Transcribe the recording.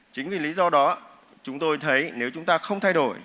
chính vì lý do đó chúng tôi thấy nếu chúng ta không thay đổi